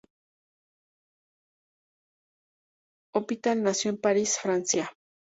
L'Hôpital nació en París, Francia.